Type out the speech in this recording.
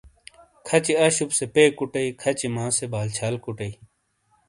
کھَچی اَشُپ سے پے کُٹئیی، کَھچی ماں سے بال چھال کُٹئیی۔